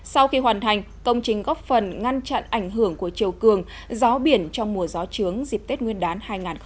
sau khi hoàn thành công trình góp phần ngăn chặn ảnh hưởng của chiều cường gió biển trong mùa gió trướng dịp tết nguyên đán hai nghìn hai mươi